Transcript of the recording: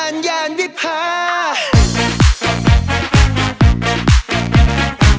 อันนั้นหมายถึงออสไหน